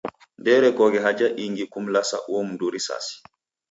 Ndeerekoghe haja ingi kumlasa uo mndu risasi.